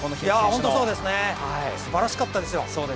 本当にすばらしかったです。